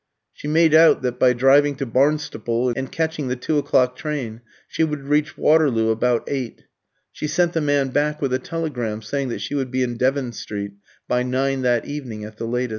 She made out that by driving to Barnstaple, and catching the two o'clock train, she would reach Waterloo about eight. She sent the man back with a telegram saying that she would be in Devon Street by nine that evening at the latest.